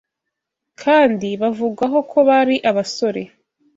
kandi bavugwaho ko bari abasore